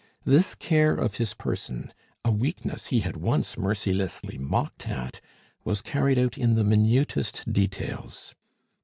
This care of his person, a weakness he had once mercilessly mocked at, was carried out in the minutest details.